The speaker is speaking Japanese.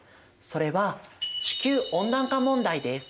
それは地球温暖化問題です。